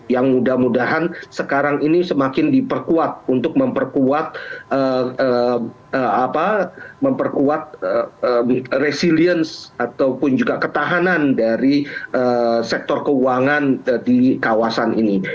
yang mudah mudahan sekarang ini semakin diperkuat untuk memperkuat resilience ataupun juga ketahanan dari sektor keuangan di kawasan ini